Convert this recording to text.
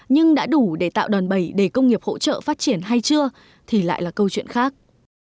nhưng đã đủ để tạo đòn bẩy để công nghiệp hỗ trợ phát triển hay chưa thì lại là câu chuyện khác